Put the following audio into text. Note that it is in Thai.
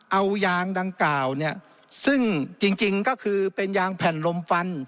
เอายางดังกล่าวเนี่ยซึ่งจริงก็คือเป็นยางแผ่นลมฟัน